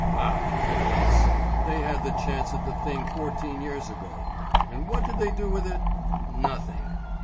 "Bah, police! They had the chance at the thing fourteen years ago. And what did they do with it? Nothing."